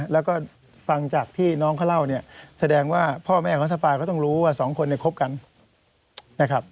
แล้วก็ฟังจากที่น้องเขาเล่าเนี่ยแสดงว่าพ่อแม่ของสปายก็ต้องรู้ว่าสองคนเนี่ยคบกันนะครับ